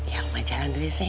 ya oma jalan dulu ya sayang